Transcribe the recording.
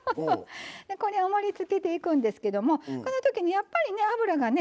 これを盛りつけていくんですけどもこのときにやっぱりね脂がね